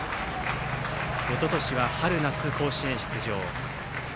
おととしは春夏甲子園出場。